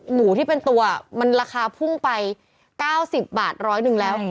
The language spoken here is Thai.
หมูที่เป็นตัวมันราคาพุ่งไป๙๐บาทร้อยหนึ่งแล้ว